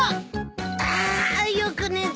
ああよく寝た。